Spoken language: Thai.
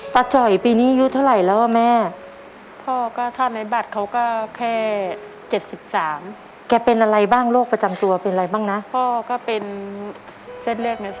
ประจอยปีนี้ยืดเท่าไหร่ล่ะม่ัวแม่